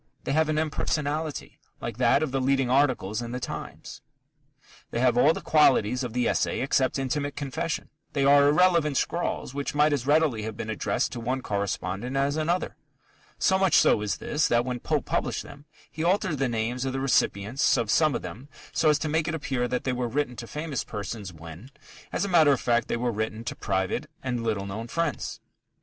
They have an impersonality, like that of the leading articles in The Times. They have all the qualities of the essay except intimate confession. They are irrelevant scrawls which might as readily have been addressed to one correspondent as another. So much so is this, that when Pope published them, he altered the names of the recipients of some of them so as to make it appear that they were written to famous persons when, as a matter of fact, they were written to private and little known friends.